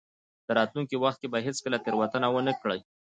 راتلونکي وخت کې به هېڅکله تېروتنه ونه کړئ.